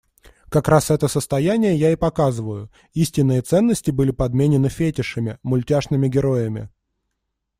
Как раз это состояние я и показываю, истинные ценности были подменены фетишами, мультяшными героями.